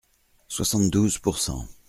Soixante-douze pour cent.